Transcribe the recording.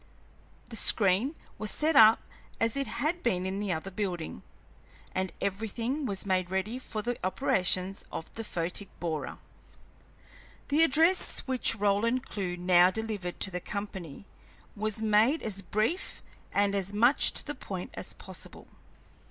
The screen was set up as it had been in the other building, and everything was made ready for the operations of the photic borer. The address which Roland Clewe now delivered to the company was made as brief and as much to the point as possible.